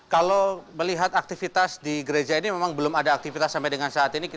kalau melihat aktivitas di gereja ini memang belum ada aktivitas sampai dengan saat ini